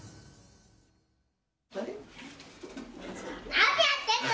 「何やってんの？